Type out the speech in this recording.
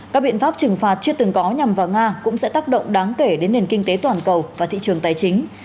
các biện pháp trừng phạt chưa từng có nhằm vào nga cũng sẽ tác động đáng kể đến nền kinh tế toàn cầu và thị trường tài chính